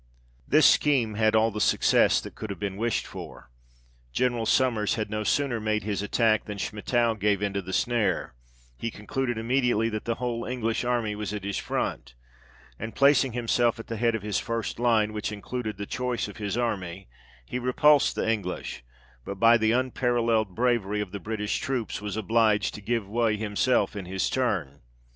This scheme had all the success that could have been wished for. General Sommers had no sooner made his attack than Schmettau gave into the snare : he con cluded immediately that the whole English army was at his front, and, placing himself at the head of his first line, which included the choice of his army, he repulsed the English, but by the unparalleled bravery of the British troops was obliged to give way himself in his turn.